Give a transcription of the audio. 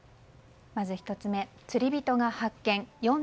まず１つ目、釣り人が発見。